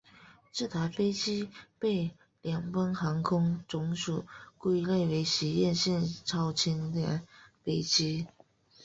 这台飞机被联邦航空总署归类为实验性超轻量飞机。